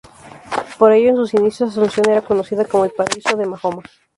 Por ello en sus inicios Asunción era conocida como ""El paraíso de Mahoma"".